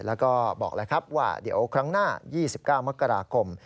แล้วก็บอกแล้วครับว่าเดี๋ยวครั้งหน้า๒๙มกราคม